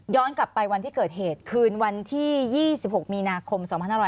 กลับไปวันที่เกิดเหตุคืนวันที่๒๖มีนาคม๒๕๖๐